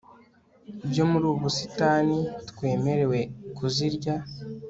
byo muri ubu busitani twemerewe kuzirya